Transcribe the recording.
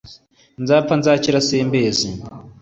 Nzapfa nzakira simbizi.